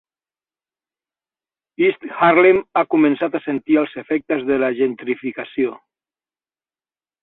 East Harlem ha començat a sentir els efectes de la gentrificació.